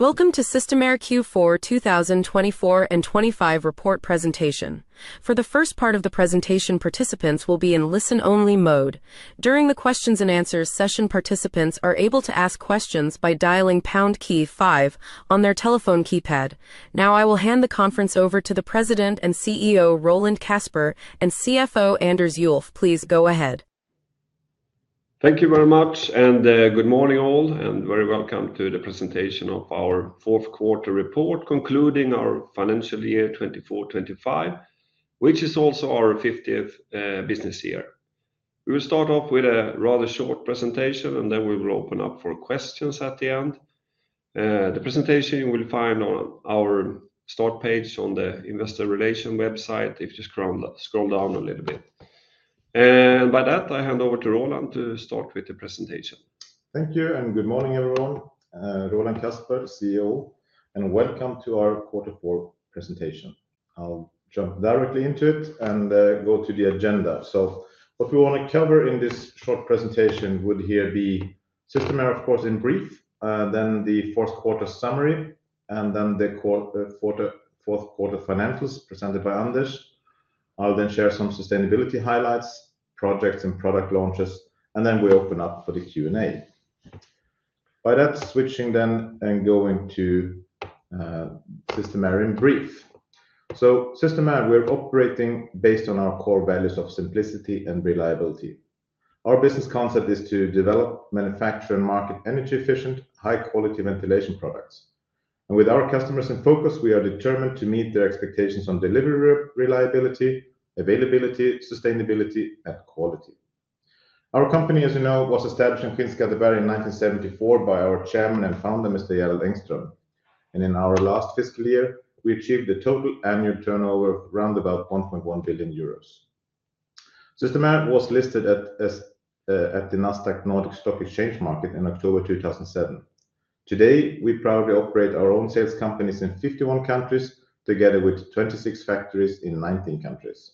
Welcome to Systemair Q4 2024 and 2025 Report presentation. For the first part of the presentation, participants will be in listen-only mode. During the Q&A session, participants are able to ask questions by dialing pound key five on their telephone keypad. Now, I will hand the conference over to the President and CEO, Roland Kasper, and CFO Anders Ulff. Please go ahead. Thank you very much, and good morning all, and very welcome to the presentation of our fourth quarter report concluding our financial year 2024-2025, which is also our 50th business year. We will start off with a rather short presentation, and then we will open up for questions at the end. The presentation you will find on our start page on the Investor Relations website if you scroll down a little bit. By that, I hand over to Roland to start with the presentation. Thank you, and good morning everyone. Roland Kasper, CEO, and welcome to our quarter four presentation. I'll jump directly into it and go to the agenda. What we want to cover in this short presentation would here be Systemair, of course, in brief, then the fourth quarter summary, and then the fourth quarter financials presented by Anders. I'll then share some sustainability highlights, projects, and product launches, and then we open up for the Q&A. By that, switching then and going to Systemair in brief. Systemair, we're operating based on our core values of simplicity and reliability. Our business concept is to develop, manufacture, and market energy-efficient, high-quality ventilation products. With our customers in focus, we are determined to meet their expectations on delivery reliability, availability, sustainability, and quality. Our company, as you know, was established in Skinnskatteberg in 1974 by our Chairman and Founder, Mr. Gerald Engström. In our last fiscal year, we achieved a total annual turnover of around 1.1 billion euros. Systemair was listed at the Nasdaq Nordic Stock Exchange market in October 2007. Today, we proudly operate our own sales companies in 51 countries, together with 26 factories in 19 countries.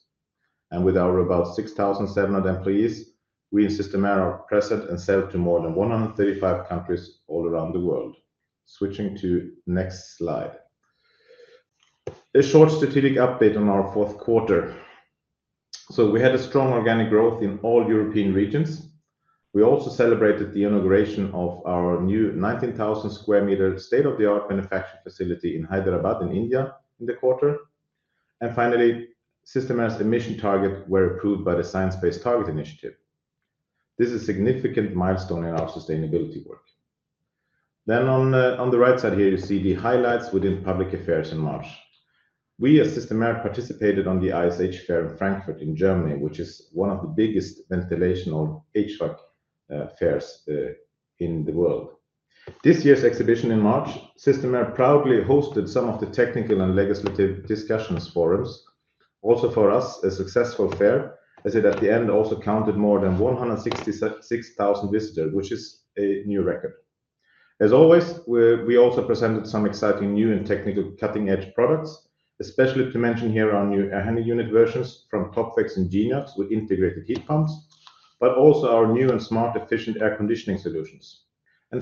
With our about 6,700 employees, we in Systemair are present and sell to more than 135 countries all around the world. Switching to the next slide. A short strategic update on our fourth quarter. We had strong organic growth in all European regions. We also celebrated the inauguration of our new 19,000 sq m state-of-the-art manufacturing facility in Hyderabad in India in the quarter. Finally, Systemair's emission targets were approved by the Science Based Targets initiative. This is a significant milestone in our sustainability work. On the right side here, you see the highlights within public affairs in March. We at Systemair participated at the ISH Fair in Frankfurt in Germany, which is one of the biggest ventilation or HVAC fairs in the world. This year's exhibition in March, Systemair proudly hosted some of the technical and legislative discussion forums. Also, for us, a successful fair, as it at the end also counted more than 166,000 visitors, which is a new record. As always, we also presented some exciting new and technical cutting-edge products, especially to mention here our new air handling unit versions from Topvex and Geniox with integrated heat pumps, but also our new and smart efficient air conditioning solutions.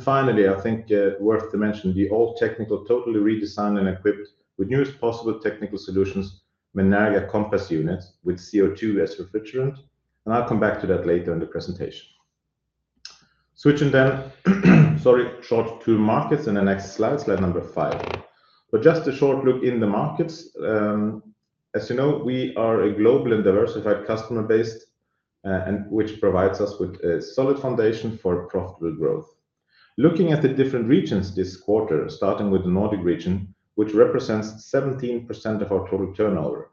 Finally, I think worth to mention the all technical, totally redesigned and equipped with newest possible technical solutions, Menerga Compass units with CO2 as refrigerant. I'll come back to that later in the presentation. Switching, sorry, short to markets in the next slide, slide number five. Just a short look in the markets. As you know, we are a global and diversified customer base, which provides us with a solid foundation for profitable growth. Looking at the different regions this quarter, starting with the Nordic region, which represents 17% of our total turnover.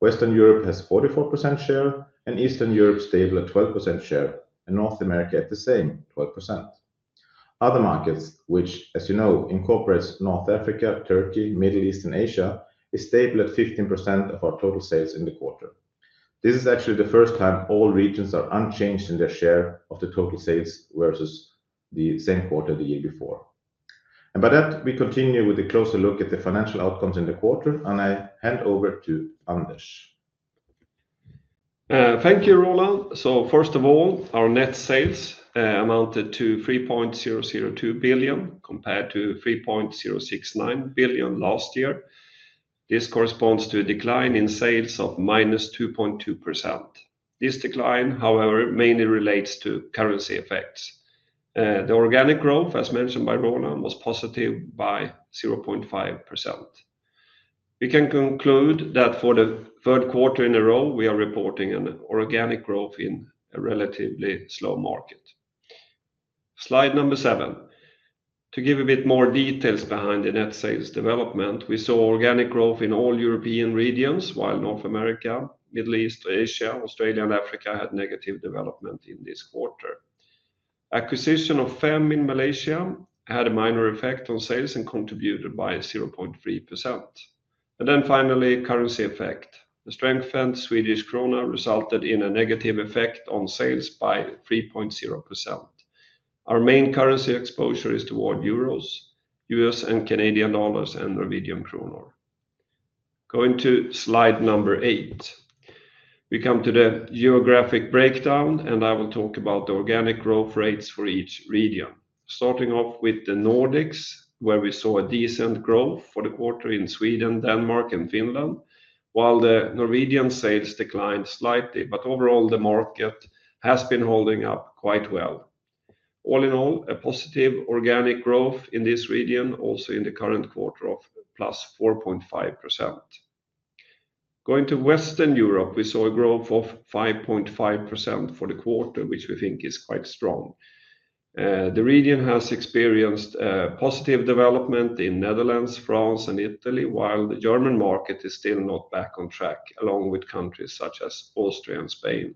Western Europe has a 44% share, and Eastern Europe is stable at 12% share, and North America at the same 12%. Other markets, which, as you know, incorporate North Africa, Turkey, Middle East, and Asia, are stable at 15% of our total sales in the quarter. This is actually the first time all regions are unchanged in their share of the total sales versus the same quarter the year before. By that, we continue with a closer look at the financial outcomes in the quarter, and I hand over to Anders. Thank you, Roland. First of all, our net sales amounted to 3.002 billion compared to 3.069 billion last year. This corresponds to a decline in sales of -2.2%. This decline, however, mainly relates to currency effects. The organic growth, as mentioned by Roland, was positive by 0.5%. We can conclude that for the third quarter in a row, we are reporting an organic growth in a relatively slow market. Slide number seven. To give a bit more details behind the net sales development, we saw organic growth in all European regions, while North America, Middle East, Asia, Australia, and Africa had negative development in this quarter. Acquisition of PHEM in Malaysia had a minor effect on sales and contributed by 0.3%. Finally, currency effect. The strengthened Swedish krona resulted in a negative effect on sales by 3.0%. Our main currency exposure is toward euros, U.S. and Canadian dollars, and Norwegian kroner. Going to slide number eight, we come to the geographic breakdown, and I will talk about the organic growth rates for each region. Starting off with the Nordics, where we saw a decent growth for the quarter in Sweden, Denmark, and Finland, while the Norwegian sales declined slightly, but overall the market has been holding up quite well. All in all, a positive organic growth in this region, also in the current quarter of +4.5%. Going to Western Europe, we saw a growth of 5.5% for the quarter, which we think is quite strong. The region has experienced positive development in Netherlands, France, and Italy, while the German market is still not back on track, along with countries such as Austria and Spain.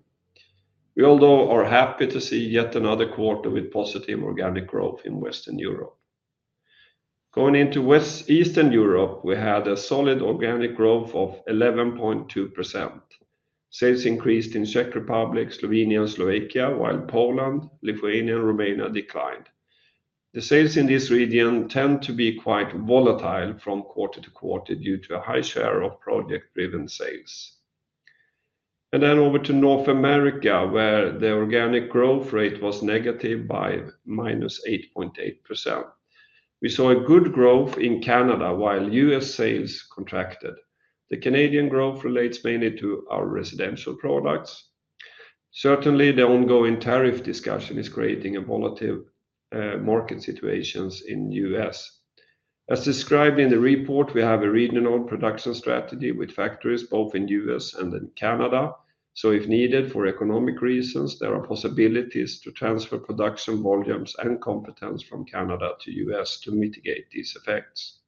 We although are happy to see yet another quarter with positive organic growth in Western Europe. Going into Eastern Europe, we had a solid organic growth of 11.2%. Sales increased in Czech Republic, Slovenia, and Slovakia, while Poland, Lithuania, and Romania declined. The sales in this region tend to be quite volatile from quarter to quarter due to a high share of project-driven sales. Over to North America, where the organic growth rate was negative by -8.8%. We saw a good growth in Canada, while U.S. sales contracted. The Canadian growth relates mainly to our residential products. Certainly, the ongoing tariff discussion is creating a volatile market situation in the U.S. As described in the report, we have a regional production strategy with factories both in the U.S. and in Canada. If needed for economic reasons, there are possibilities to transfer production volumes and competence from Canada to the U.S. to mitigate these effects.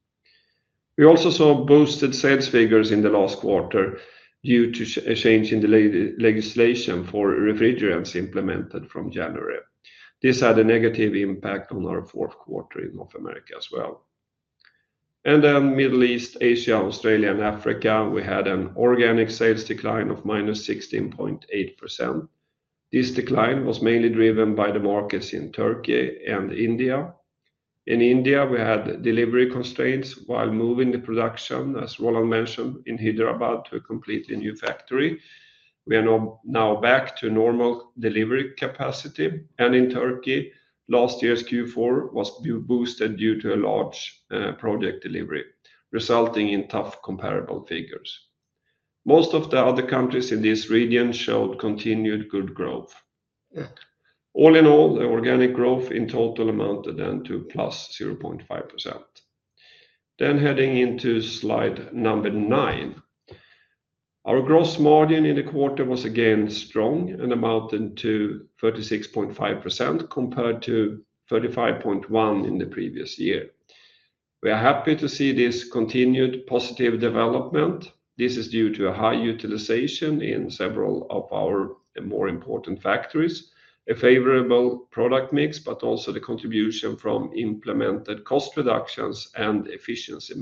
We also saw boosted sales figures in the last quarter due to a change in the legislation for refrigerants implemented from January. This had a negative impact on our fourth quarter in North America as well. In the Middle East, Asia, Australia, and Africa, we had an organic sales decline of -16.8%. This decline was mainly driven by the markets in Turkey and India. In India, we had delivery constraints while moving the production, as Roland mentioned, in Hyderabad to a completely new factory. We are now back to normal delivery capacity. In Turkey, last year's Q4 was boosted due to a large project delivery, resulting in tough comparable figures. Most of the other countries in this region showed continued good growth. All in all, the organic growth in total amounted then to +0.5%. Heading into slide number nine, our gross margin in the quarter was again strong and amounted to 36.5% compared to 35.1% in the previous year. We are happy to see this continued positive development. This is due to a high utilization in several of our more important factories, a favorable product mix, but also the contribution from implemented cost reductions and efficiency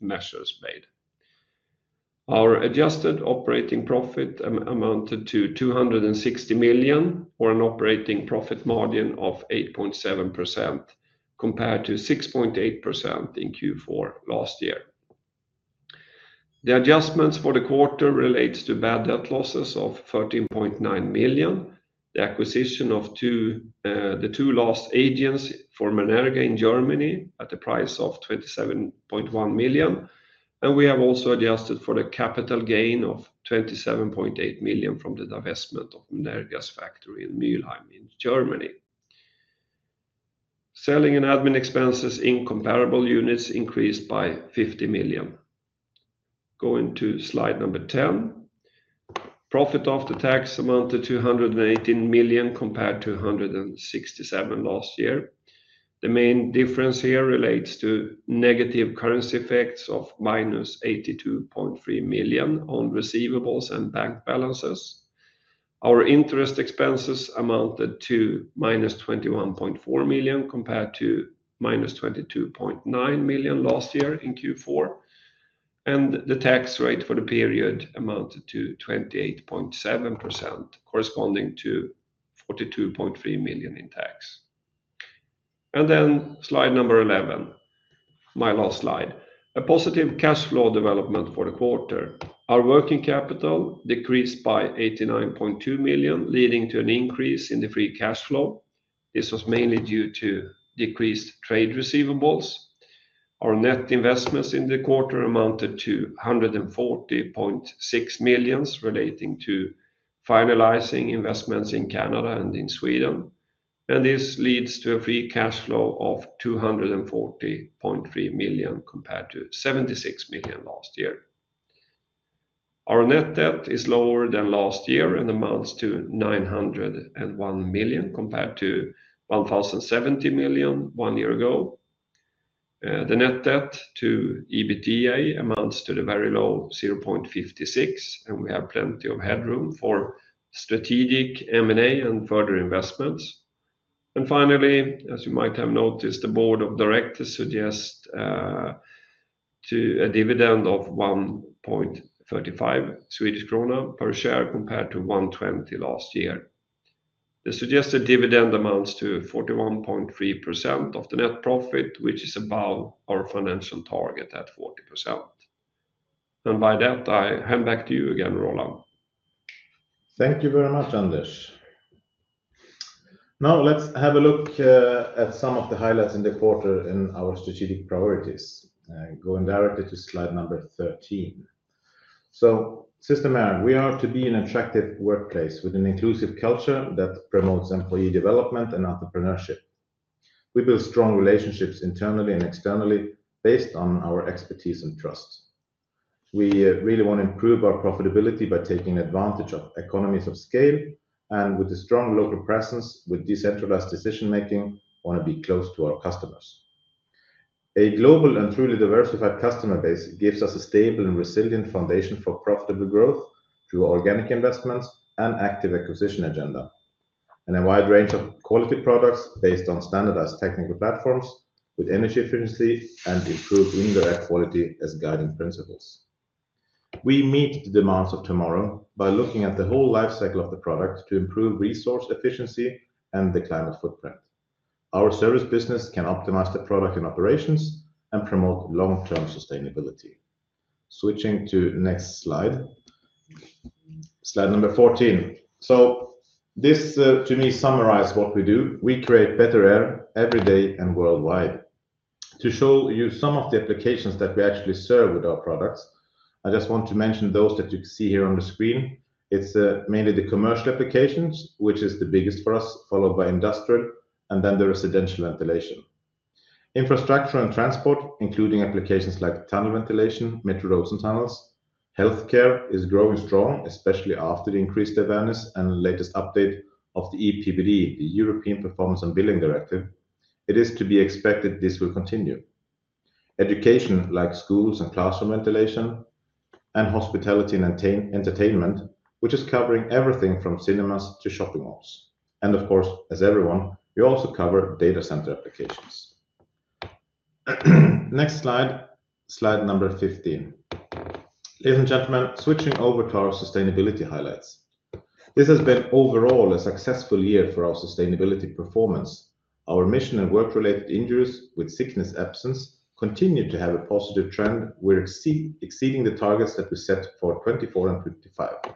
measures made. Our adjusted operating profit amounted to 260 million for an operating profit margin of 8.7% compared to 6.8% in Q4 last year. The adjustments for the quarter relate to bad debt losses of 13.9 million, the acquisition of the two last agents for Menerga in Germany at a price of 27.1 million. We have also adjusted for the capital gain of 27.8 million from the divestment of Menerga's factory in Mülheim in Germany. Selling and admin expenses in comparable units increased by 50 million. Going to slide number ten, profit after tax amounted to 218 million compared to 167 million last year. The main difference here relates to negative currency effects of minus 82.3 million on receivables and bank balances. Our interest expenses amounted to -21.4 million compared to -22.9 million last year in Q4. The tax rate for the period amounted to 28.7%, corresponding to 42.3 million in tax. Slide number 11, my last slide. A positive cash flow development for the quarter. Our working capital decreased by 89.2 million, leading to an increase in the free cash flow. This was mainly due to decreased trade receivables. Our net investments in the quarter amounted to 140.6 million relating to finalizing investments in Canada and in Sweden. This leads to a free cash flow of 240.3 million compared to 76 million last year. Our net debt is lower than last year and amounts to 901 million compared to 1,070 million one year ago. The net debt to EBITDA amounts to the very low 0.56, and we have plenty of headroom for strategic M&A and further investments. Finally, as you might have noticed, the board of directors suggests a dividend of 1.35 Swedish krona per s+hare compared to 1.20 last year. The suggested dividend amounts to 41.3% of the net profit, which is above our financial target at 40%. By that, I hand back to you again, Roland. Thank you very much, Anders. Now let's have a look at some of the highlights in the quarter in our strategic priorities. Going directly to slide number 13. Systemair, we are to be an attractive workplace with an inclusive culture that promotes employee development and entrepreneurship. We build strong relationships internally and externally based on our expertise and trust. We really want to improve our profitability by taking advantage of economies of scale, and with a strong local presence, with decentralized decision making, want to be close to our customers. A global and truly diversified customer base gives us a stable and resilient foundation for profitable growth through organic investments and an active acquisition agenda, and a wide range of quality products based on standardized technical platforms with energy efficiency and improved indirect quality as guiding principles. We meet the demands of tomorrow by looking at the whole life cycle of the product to improve resource efficiency and the climate footprint. Our service business can optimize the product and operations and promote long-term sustainability. Switching to next slide. Slide number 14. This to me summarizes what we do. We create better air every day and worldwide. To show you some of the applications that we actually serve with our products, I just want to mention those that you can see here on the screen. It is mainly the commercial applications, which is the biggest for us, followed by industrial, and then the residential ventilation. Infrastructure and transport, including applications like tunnel ventilation, metro roads and tunnels. Healthcare is growing strong, especially after the increased awareness and latest update of the EPBD, the European Performance of Buildings Directive. It is to be expected this will continue. Education, like schools and classroom ventilation, and hospitality and entertainment, which is covering everything from cinemas to shopping malls. Of course, as everyone, we also cover data center applications. Next slide, slide number 15. Ladies and gentlemen, switching over to our sustainability highlights. This has been overall a successful year for our sustainability performance. Our mission and work-related injuries with sickness absence continue to have a positive trend, exceeding the targets that we set for 2024 and 2025.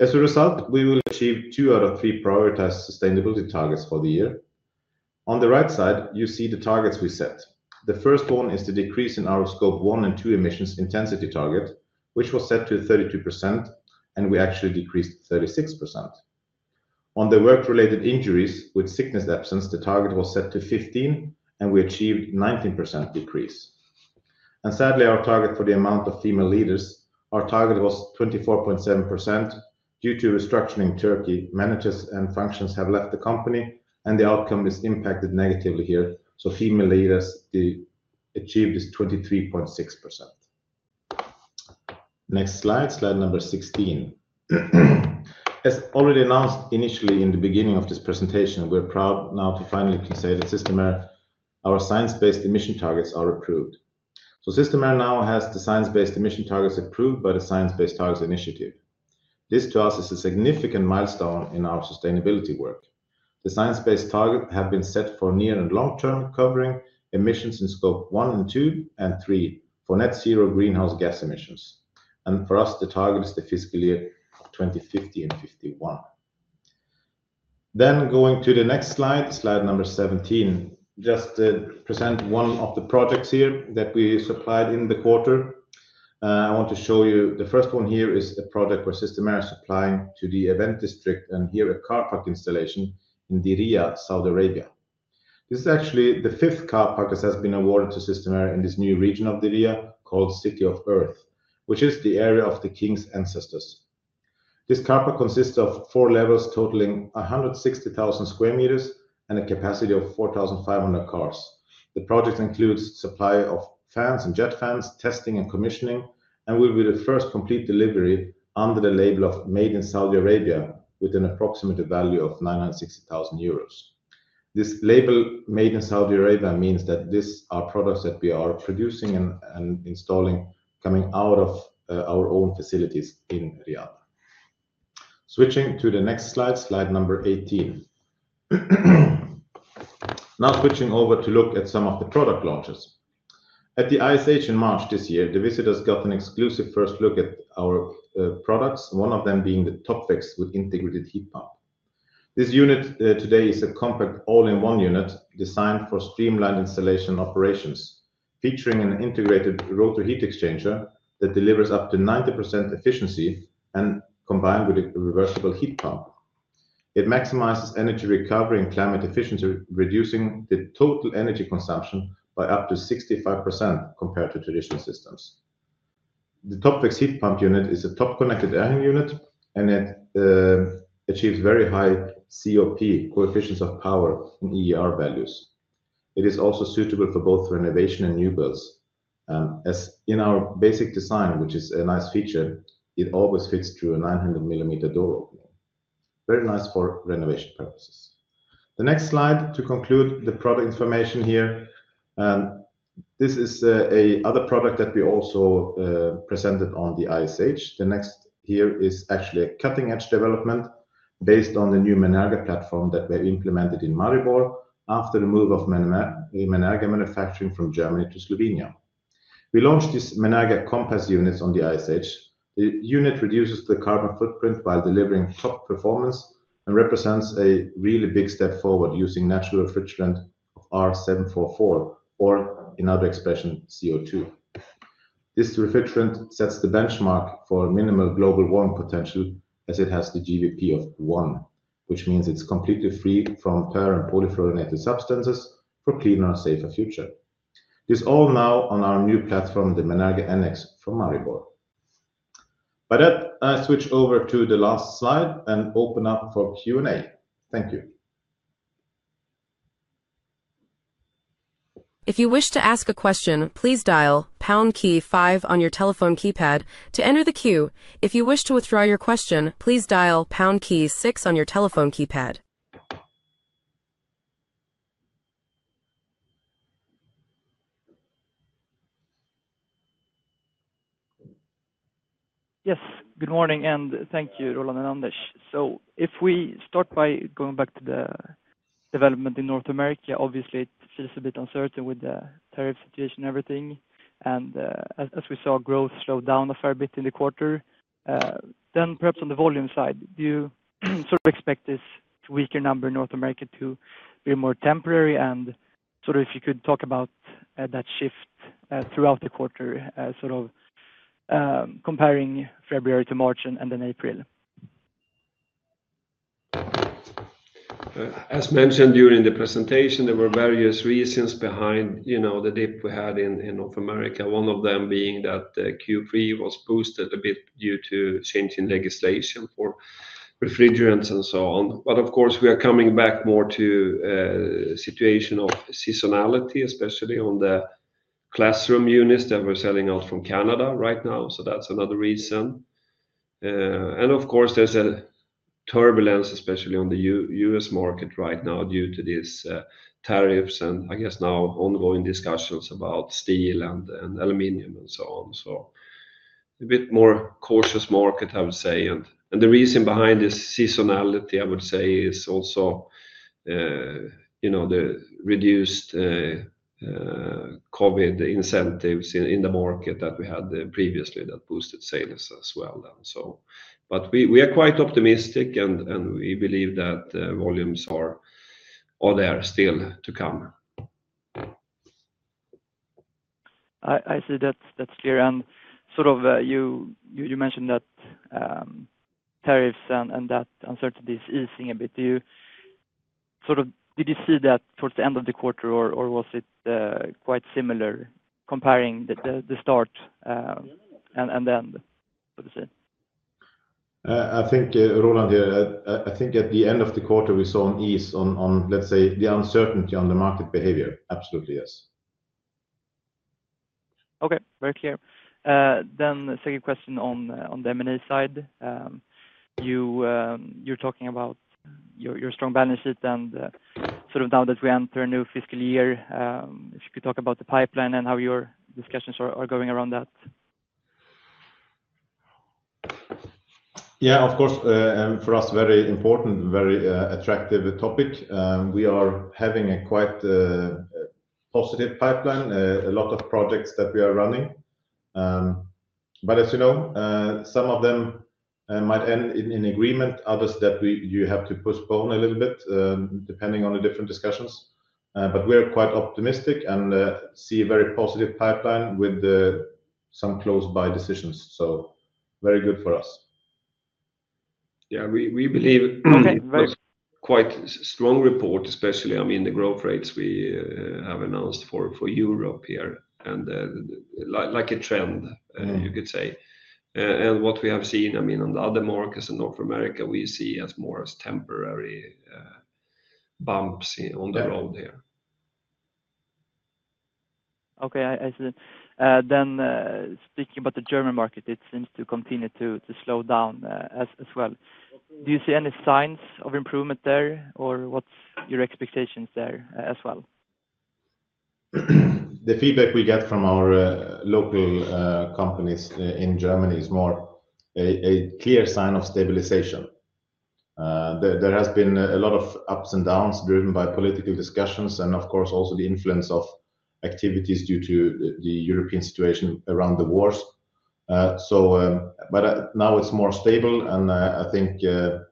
As a result, we will achieve two out of three prioritized sustainability targets for the year. On the right side, you see the targets we set. The first one is the decrease in our scope 1 and 2 emissions intensity target, which was set to 32%, and we actually decreased 36%. On the work-related injuries with sickness absence, the target was set to 15, and we achieved a 19% decrease. Sadly, our target for the amount of female leaders, our target was 24.7% due to restructuring in Turkey. Managers and functions have left the company, and the outcome is impacted negatively here. Female leaders achieved this 23.6%. Next slide, slide number 16. As already announced initially in the beginning of this presentation, we are proud now to finally say that Systemair, our science-based emission targets are approved. Systemair now has the science-based emission targets approved by the Science Based Targets initiative. This, to us, is a significant milestone in our sustainability work. The science-based targets have been set for near and long-term covering emissions in scope one and two and three for net zero greenhouse gas emissions. For us, the target is the fiscal year 2050 and 2051. Going to the next slide, slide number 17, just to present one of the projects here that we supplied in the quarter. I want to show you the first one here is a project where Systemair is supplying to the event district and here a car park installation in Diriyah, Saudi Arabia. This is actually the fifth car park that has been awarded to Systemair in this new region of Diriyah called City of Earth, which is the area of the king's ancestors. This car park consists of four levels totaling 160,000 sq m and a capacity of 4,500 cars. The project includes supply of fans and jet fans, testing and commissioning, and will be the first complete delivery under the label of Made in Saudi Arabia with an approximate value of 960,000 euros. This label Made in Saudi Arabia means that these are products that we are producing and installing coming out of our own facilities in Riyadh. Switching to the next slide, slide number 18. Now switching over to look at some of the product launches. At the ISH in March this year, the visitors got an exclusive first look at our products, one of them being the Topvex with integrated heat pump. This unit today is a compact all-in-one unit designed for streamlined installation operations, featuring an integrated rotary heat exchanger that delivers up to 90% efficiency and combined with a reversible heat pump. It maximizes energy recovery and climate efficiency, reducing the total energy consumption by up to 65% compared to traditional systems. The Topvex heat pump unit is a top connected air unit, and it achieves very high COP, coefficients of performance, and EER values. It is also suitable for both renovation and new builds. As in our basic design, which is a nice feature, it always fits through a 900 mm door opening. Very nice for renovation purposes. The next slide to conclude the product information here. This is another product that we also presented on the ISH. The next here is actually a cutting-edge development based on the new Menerga platform that we implemented in Maribor after the move of Menerga manufacturing from Germany to Slovenia. We launched these Menerga Compass units on the ISH. The unit reduces the carbon footprint while delivering top performance and represents a really big step forward using natural refrigerant R744, or in other expression, CO2. This refrigerant sets the benchmark for minimal global warming potential as it has the GWP of one, which means it's completely free from per and polyfluorinated substances for a cleaner and safer future. This is all now on our new platform, the Menerga NX from Maribor. By that, I switch over to the last slide and open up for Q&A. Thank you. If you wish to ask a question, please dial pound key five on your telephone keypad to enter the queue. If you wish to withdraw your question, please dial pound key six on your telephone keypad. Yes, good morning and thank you, Roland and Anders. If we start by going back to the development in North America, obviously it feels a bit uncertain with the tariff situation and everything. As we saw, growth slowed down a fair bit in the quarter. Perhaps on the volume side, do you sort of expect this weaker number in North America to be more temporary? If you could talk about that shift throughout the quarter, sort of comparing February to March and then April. As mentioned during the presentation, there were various reasons behind the dip we had in North America, one of them being that Q3 was boosted a bit due to changing legislation for refrigerants and so on. Of course, we are coming back more to the situation of seasonality, especially on the classroom units that we're selling out from Canada right now. That's another reason. There is a turbulence, especially on the U.S. market right now due to these tariffs and I guess now ongoing discussions about steel and aluminum and so on. A bit more cautious market, I would say. The reason behind this seasonality, I would say, is also the reduced COVID incentives in the market that we had previously that boosted sales as well. We are quite optimistic and we believe that volumes are still to come. I see that's clear. You mentioned that tariffs and that uncertainty is easing a bit. Do you, did you see that towards the end of the quarter or was it quite similar comparing the start and the end? I think, Roland, I think at the end of the quarter we saw an ease on, let's say, the uncertainty on the market behavior. Absolutely, yes. Okay, very clear. Then second question on the M&A side. You're talking about your strong balance sheet and sort of now that we enter a new fiscal year, if you could talk about the pipeline and how your discussions are going around that. Yeah, of course, for us, very important, very attractive topic. We are having a quite positive pipeline, a lot of projects that we are running. As you know, some of them might end in agreement, others that you have to postpone a little bit depending on the different discussions. We are quite optimistic and see a very positive pipeline with some close-by decisions. Very good for us. Yeah. We believe. Okay, very good. Quite strong report, especially, I mean, the growth rates we have announced for Europe here and like a trend, you could say. What we have seen, I mean, on the other markets in North America, we see as more as temporary bumps on the road here. Okay, I see. Speaking about the German market, it seems to continue to slow down as well. Do you see any signs of improvement there or what is your expectations there as well? The feedback we get from our local companies in Germany is more a clear sign of stabilization. There has been a lot of ups and downs driven by political discussions and, of course, also the influence of activities due to the European situation around the wars. Now it's more stable and I think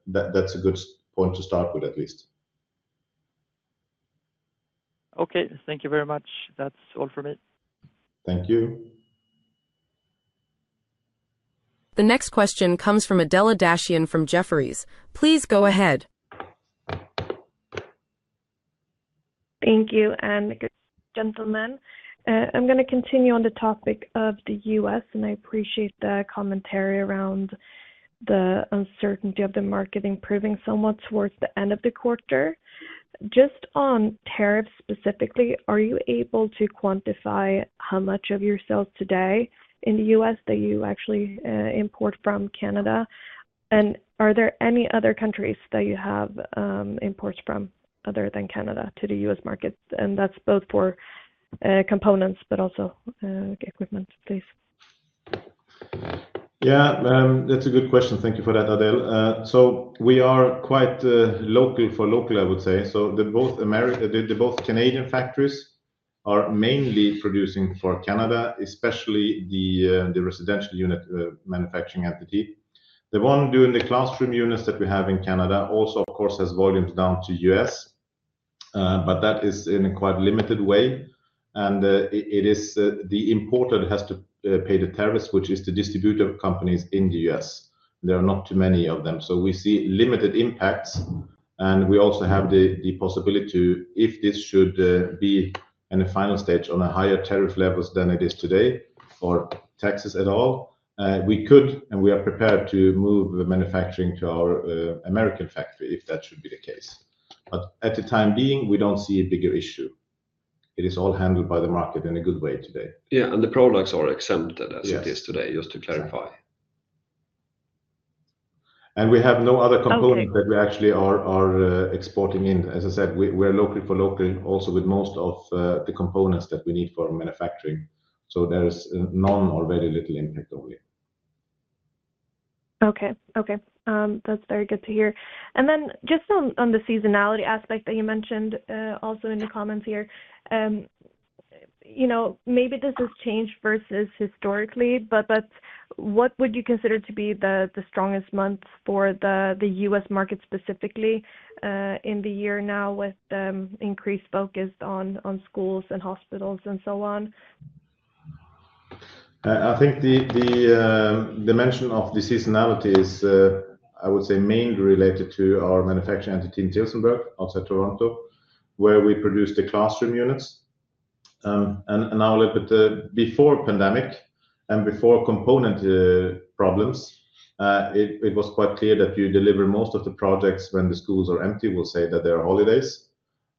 that's a good point to start with at least. Okay, thank you very much. That's all for me. Thank you. The next question comes from Adela Dashian from Jefferies. Please go ahead. Thank you, and gentlemen. I'm going to continue on the topic of the U.S., and I appreciate the commentary around the uncertainty of the market improving somewhat towards the end of the quarter. Just on tariffs specifically, are you able to quantify how much of your sales today in the U.S. that you actually import from Canada? Are there any other countries that you have imports from other than Canada to the U.S. market? That is both for components, but also equipment, please. Yeah, that's a good question. Thank you for that, Adela. We are quite local for local, I would say. Both Canadian factories are mainly producing for Canada, especially the residential unit manufacturing entity. The one doing the classroom units that we have in Canada also, of course, has volumes down to the U.S., but that is in a quite limited way. It is the importer that has to pay the tariffs, which is the distributor companies in the U.S. There are not too many of them. We see limited impacts. We also have the possibility to, if this should be in a final stage on a higher tariff level than it is today or taxes at all, we could and we are prepared to move the manufacturing to our American factory if that should be the case. At the time being, we don't see a bigger issue. It is all handled by the market in a good way today. Yeah, and the products are exempted as it is today, just to clarify. We have no other components that we actually are exporting in. As I said, we are locally for local also with most of the components that we need for manufacturing. There is none or very little impact only. Okay, okay. That is very good to hear. Then just on the seasonality aspect that you mentioned also in the comments here, maybe this has changed versus historically, but what would you consider to be the strongest months for the U.S. market specifically in the year now with increased focus on schools and hospitals and so on? I think the dimension of the seasonality is, I would say, mainly related to our manufacturing entity in Tillsonburg, outside Toronto, where we produce the classroom units. A little bit before the pandemic and before component problems, it was quite clear that you deliver most of the projects when the schools are empty, I will say that there are holidays.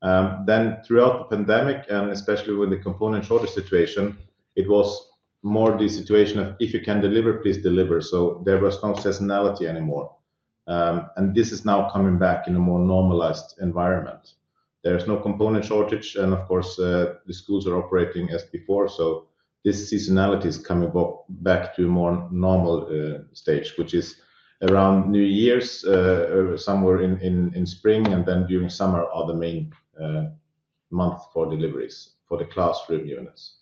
Throughout the pandemic, and especially with the component shortage situation, it was more the situation of if you can deliver, please deliver. There was no seasonality anymore. This is now coming back in a more normalized environment. There is no component shortage. Of course, the schools are operating as before. This seasonality is coming back to a more normal stage, which is around New Year's, somewhere in spring. During summer are the main months for deliveries for the classroom units.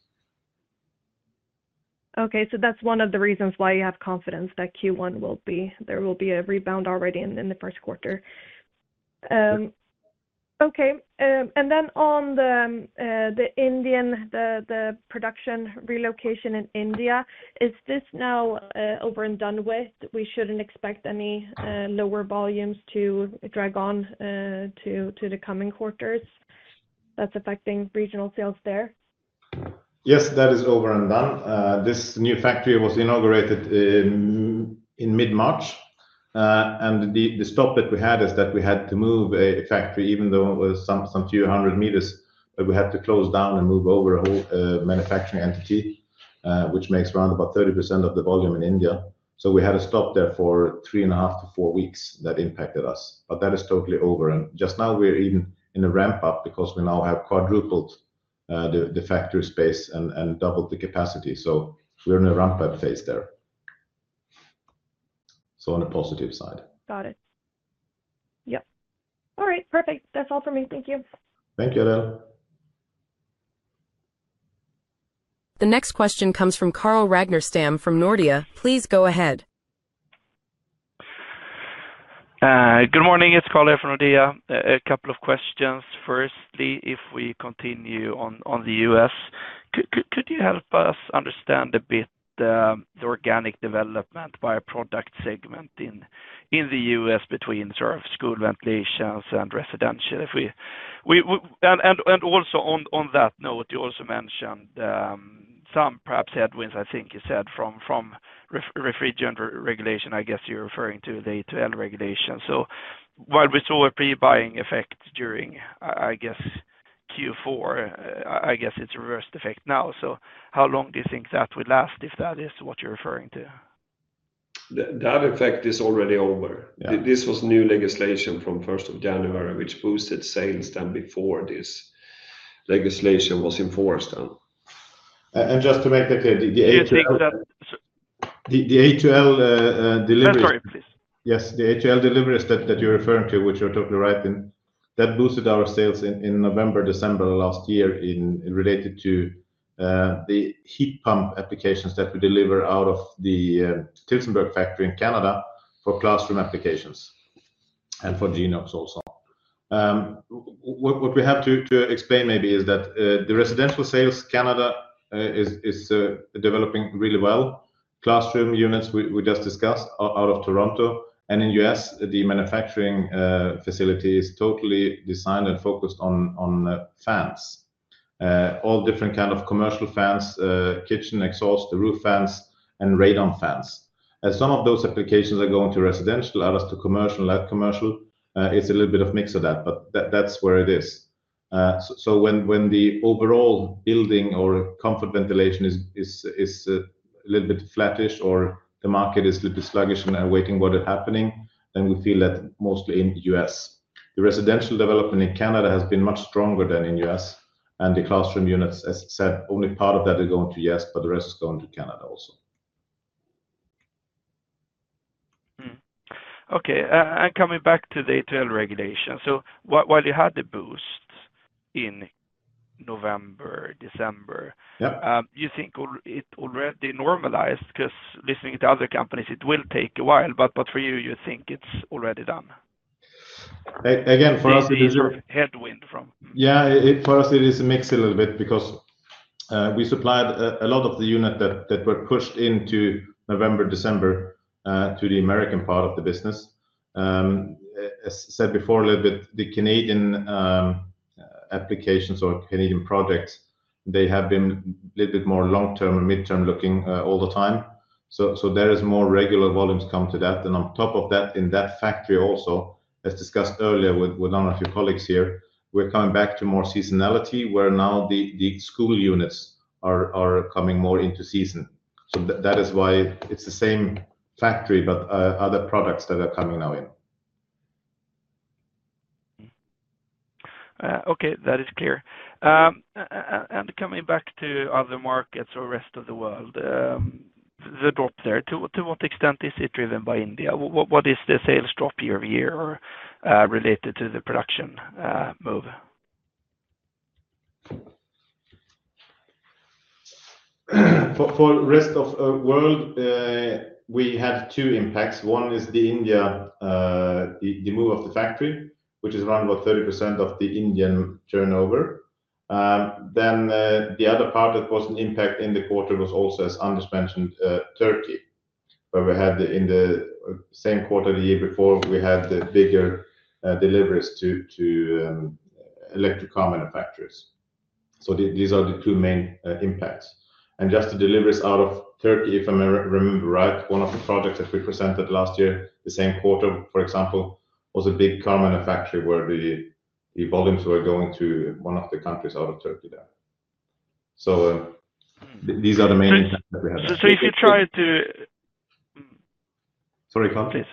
Okay, so that's one of the reasons why you have confidence that Q1 will be there will be a rebound already in the first quarter. Okay. And then on the Indian, the production relocation in India, is this now over and done with? We shouldn't expect any lower volumes to drag on to the coming quarters that's affecting regional sales there? Yes, that is over and done. This new factory was inaugurated in mid-March. The stop that we had is that we had to move a factory, even though it was some few hundred meters, but we had to close down and move over a whole manufacturing entity, which makes around about 30% of the volume in India. We had a stop there for three and a half to four weeks that impacted us. That is totally over. Just now we're even in a ramp up because we now have quadrupled the factory space and doubled the capacity. We're in a ramp up phase there. On the positive side. Got it. Yep. All right, perfect. That's all for me. Thank you. Thank you, Adela. The next question comes from Carl Ragnerstam from Nordea. Please go ahead. Good morning. It's Carl here from Nordea. A couple of questions. Firstly, if we continue on the U.S., could you help us understand a bit the organic development by product segment in the U.S. between sort of school ventilations and residential? Also on that note, you also mentioned some perhaps headwinds, I think you said, from refrigerant regulation, I guess you're referring to the A2L regulation. While we saw a pre-buying effect during, I guess, Q4, I guess it's a reversed effect now. How long do you think that would last if that is what you're referring to? That effect is already over. This was new legislation from 1st of January, which boosted sales then before this legislation was enforced. Just to make it clear, the A2L delivery. I'm sorry, please. Yes, the A2L delivery that you're referring to, which you're totally right in, that boosted our sales in November, December last year related to the heat pump applications that we deliver out of the Tillsonburg factory in Canada for classroom applications and for Geniox also. What we have to explain maybe is that the residential sales Canada is developing really well. Classroom units we just discussed are out of Toronto. In the U.S., the manufacturing facility is totally designed and focused on fans. All different kinds of commercial fans, kitchen exhaust, the roof fans, and radon fans. Some of those applications are going to residential, others to commercial, and commercial. It's a little bit of mix of that, but that's where it is. When the overall building or comfort ventilation is a little bit flattish or the market is a little bit sluggish and awaiting what is happening, then we feel that mostly in the U.S. The residential development in Canada has been much stronger than in the U.S. The classroom units, as I said, only part of that is going to the U.S., but the rest is going to Canada also. Okay. Coming back to the A2L regulation. While you had the boost in November, December, you think it already normalized? Because listening to other companies, it will take a while, but for you, you think it is already done? Again, for us, it is a. Headwind from. Yeah, for us, it is a mix a little bit because we supplied a lot of the units that were pushed into November, December to the American part of the business. As I said before, a little bit the Canadian applications or Canadian projects, they have been a little bit more long-term and mid-term looking all the time. There is more regular volumes come to that. On top of that, in that factory also, as discussed earlier with one of your colleagues here, we're coming back to more seasonality where now the school units are coming more into season. That is why it's the same factory, but other products that are coming now in. Okay, that is clear. Coming back to other markets or rest of the world, the drop there, to what extent is it driven by India? What is the sales drop YoY related to the production move? For the rest of the world, we had two impacts. One is India, the move of the factory, which is around about 30% of the Indian turnover. The other part that was an impact in the quarter was also, as Anders mentioned, Turkey, where we had in the same quarter the year before, we had the bigger deliveries to electric car manufacturers. These are the two main impacts. Just the deliveries out of Turkey, if I remember right, one of the projects that we presented last year, the same quarter, for example, was a big car manufacturer where the volumes were going to one of the countries out of Turkey there. These are the main impacts that we had. If you try to. Sorry, come on, please.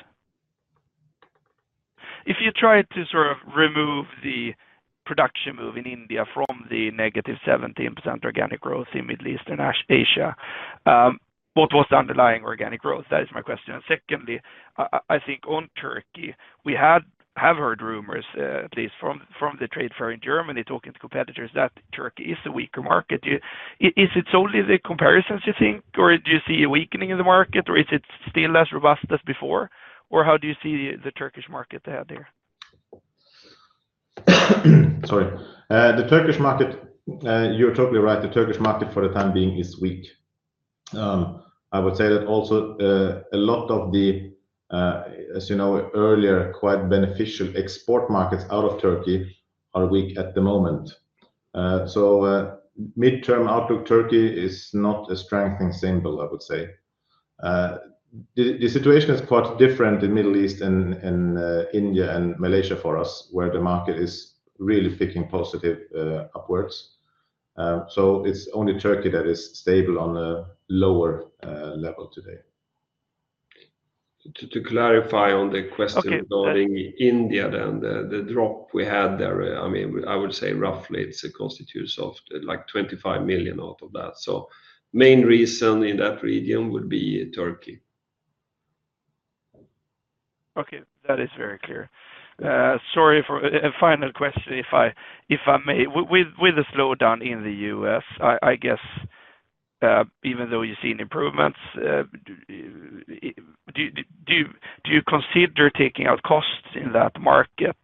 If you try to sort of remove the production move in India from the -17% organic growth in Middle East and Asia, what was the underlying organic growth? That is my question. Secondly, I think on Turkey, we have heard rumors, at least from the trade fair in Germany, talking to competitors, that Turkey is a weaker market. Is it solely the comparisons, you think, or do you see a weakening in the market, or is it still as robust as before? How do you see the Turkish market there? Sorry. The Turkish market, you're totally right. The Turkish market for the time being is weak. I would say that also a lot of the, as you know earlier, quite beneficial export markets out of Turkey are weak at the moment. Mid-term outlook, Turkey is not a strengthening symbol, I would say. The situation is quite different in the Middle East and India and Malaysia for us, where the market is really picking positive upwards. It is only Turkey that is stable on a lower level today. To clarify on the question regarding India then, the drop we had there, I mean, I would say roughly it constitutes like 25 million out of that. So main reason in that region would be Turkey. Okay, that is very clear. Sorry, final question, if I may. With the slowdown in the U.S., I guess, even though you've seen improvements, do you consider taking out costs in that market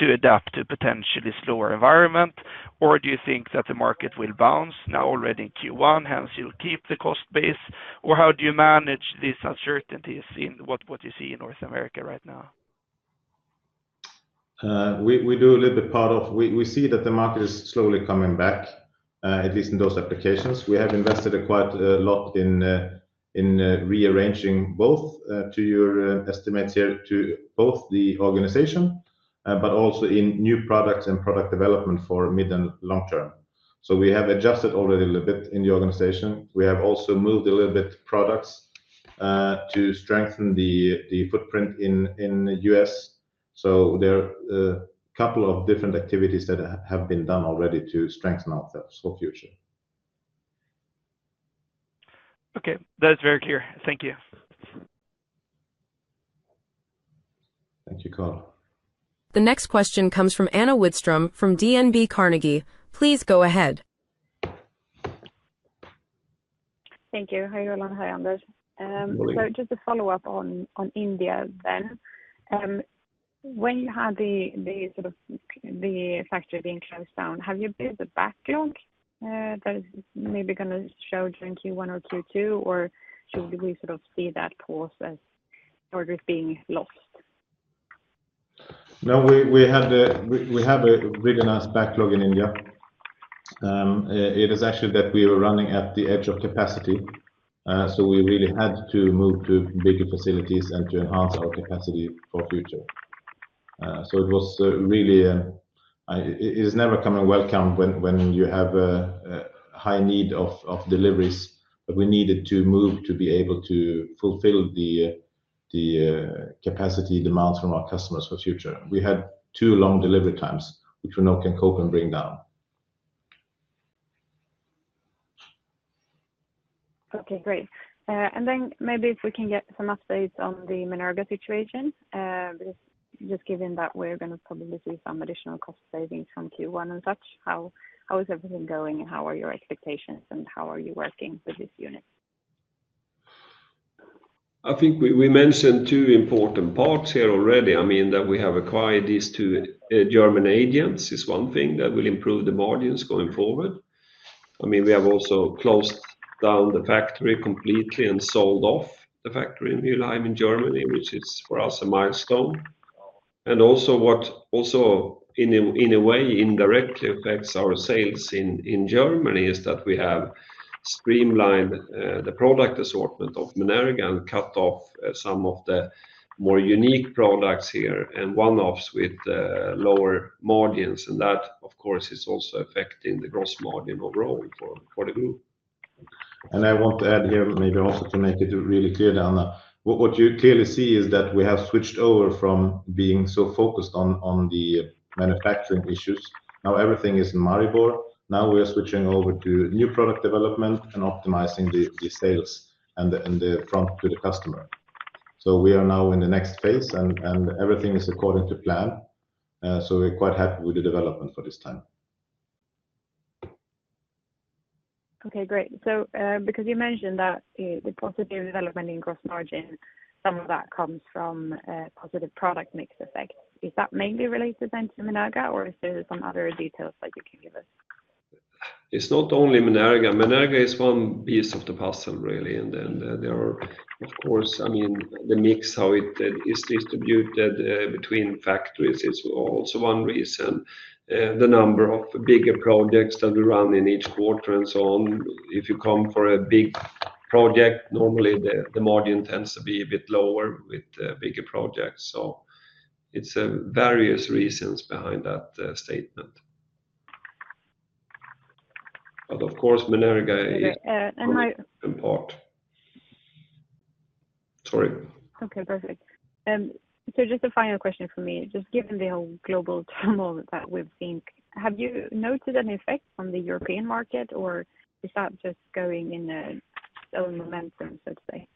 to adapt to a potentially slower environment, or do you think that the market will bounce now already in Q1, hence you'll keep the cost base? Or how do you manage these uncertainties in what you see in North America right now? We do a little bit part of we see that the market is slowly coming back, at least in those applications. We have invested quite a lot in rearranging both, to your estimates here, to both the organization, but also in new products and product development for mid and long term. We have adjusted already a little bit in the organization. We have also moved a little bit products to strengthen the footprint in the U.S. There are a couple of different activities that have been done already to strengthen ourselves for the future. Okay, that is very clear. Thank you. Thank you, Carl. The next question comes from Anna Widstrom from DNB Carnegie. Please go ahead. Thank you. Hi Roland, hi Anders. Just to follow up on India then, when you had the sort of the factory being closed down, have you built a backlog that is maybe going to show during Q1 or Q2, or should we sort of see that process sort of being lost? No, we have a really nice backlog in India. It is actually that we were running at the edge of capacity. We really had to move to bigger facilities and to enhance our capacity for the future. It is never welcome when you have a high need of deliveries, but we needed to move to be able to fulfill the capacity demands from our customers for the future. We had too long delivery times, which we now can cope and bring down. Okay, great. Maybe if we can get some updates on the Menerga situation, just given that we're going to probably see some additional cost savings from Q1 and such, how is everything going and how are your expectations and how are you working with this unit? I think we mentioned two important parts here already. I mean, that we have acquired these two German agents is one thing that will improve the margins going forward. I mean, we have also closed down the factory completely and sold off the factory in Mülheim in Germany, which is for us a milestone. Also, what in a way indirectly affects our sales in Germany is that we have streamlined the product assortment of Menerga and cut off some of the more unique products here and one-offs with lower margins. That, of course, is also affecting the gross margin overall for the group. I want to add here maybe also to make it really clear, Anna, what you clearly see is that we have switched over from being so focused on the manufacturing issues. Now everything is in Maribor. Now we are switching over to new product development and optimizing the sales and the front to the customer. We are now in the next phase and everything is according to plan. We are quite happy with the development for this time. Okay, great. Because you mentioned that the positive development in gross margin, some of that comes from positive product mix effects. Is that mainly related then to Menerga or is there some other details that you can give us? It's not only Menerga. Menerga is one piece of the puzzle, really. And there are, of course, I mean, the mix how it is distributed between factories is also one reason. The number of bigger projects that we run in each quarter and so on. If you come for a big project, normally the margin tends to be a bit lower with bigger projects. So it's various reasons behind that statement. But of course, Menerga is an important part. Sorry. Okay, perfect. Just a final question for me. Just given the whole global turmoil that we've seen, have you noticed any effect on the European market or is that just going in its own momentum, so to say?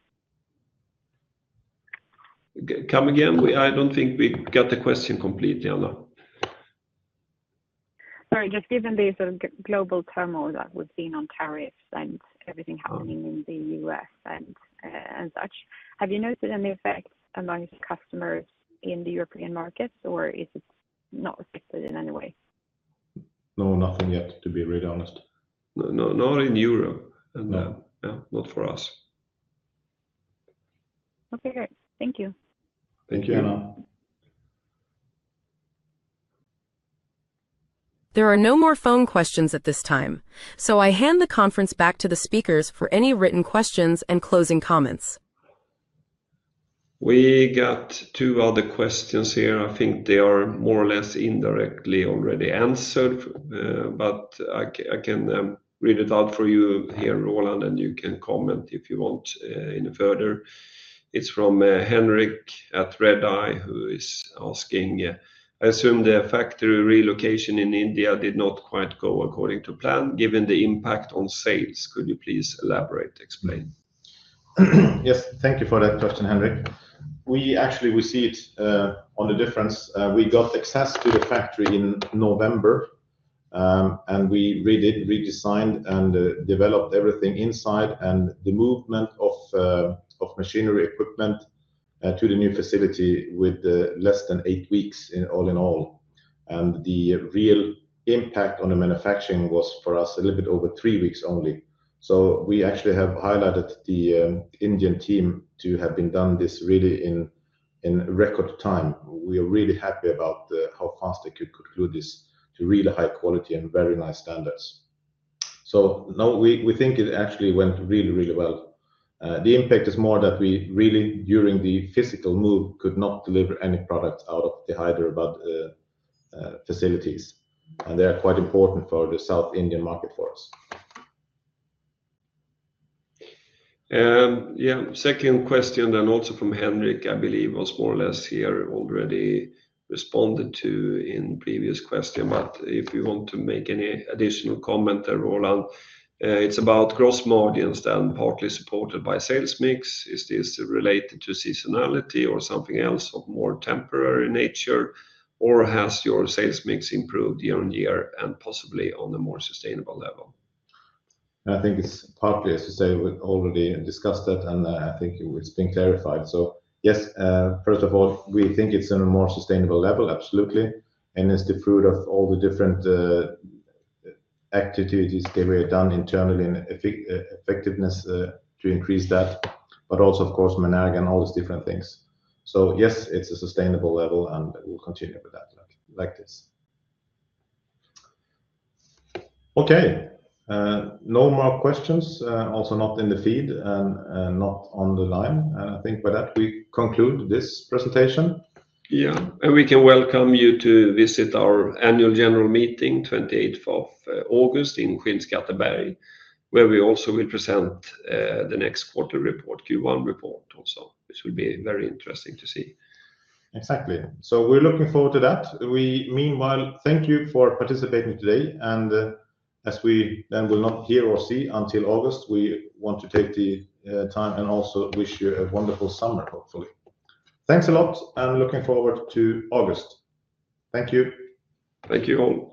Come again? I don't think we got the question completely, Anna. Sorry, just given the sort of global turmoil that we've seen on tariffs and everything happening in the U.S. and such, have you noticed any effect amongst customers in the European markets or is it not affected in any way? No, nothing yet, to be really honest. Not in Europe. No. Not for us. Okay, great. Thank you. Thank you, Anna. There are no more phone questions at this time. I hand the conference back to the speakers for any written questions and closing comments. We got two other questions here. I think they are more or less indirectly already answered, but I can read it out for you here, Roland, and you can comment if you want further. It is from Henrik at Redeye, who is asking, "I assume the factory relocation in India did not quite go according to plan given the impact on sales. Could you please elaborate, explain? Yes, thank you for that question, Henrik. We actually see it on the difference. We got access to the factory in November and we redesigned and developed everything inside and the movement of machinery equipment to the new facility with less than eight weeks all in all. The real impact on the manufacturing was for us a little bit over three weeks only. We actually have highlighted the Indian team to have done this really in record time. We are really happy about how fast they could conclude this to really high quality and very nice standards. No, we think it actually went really, really well. The impact is more that we really during the physical move could not deliver any products out of the Hyderabad facilities. They are quite important for the South Indian market for us. Yeah, second question then also from Henrik, I believe was more or less here already responded to in previous question, but if you want to make any additional comment there, Roland, it's about gross margins then partly supported by sales mix. Is this related to seasonality or something else of more temporary nature? Or has your sales mix improved year on year and possibly on a more sustainable level? I think it's partly, as you say, already discussed it and I think it's been clarified. Yes, first of all, we think it's on a more sustainable level, absolutely. It's the fruit of all the different activities that we have done internally and effectiveness to increase that, but also, of course, Menerga and all these different things. Yes, it's a sustainable level and we'll continue with that like this. Okay, no more questions, also not in the feed and not on the line. I think by that we conclude this presentation. Yeah, and we can welcome you to visit our Annual General Meeting 28th of August in Skinnskatteberg, where we also will present the next quarter report, Q1 report also. This will be very interesting to see. Exactly. We are looking forward to that. Meanwhile, thank you for participating today. As we then will not hear or see you until August, we want to take the time and also wish you a wonderful summer, hopefully. Thanks a lot and looking forward to August. Thank you. Thank you all.